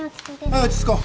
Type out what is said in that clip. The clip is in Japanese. はい落ち着こう。